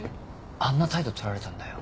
あんな態度取られたんだよ。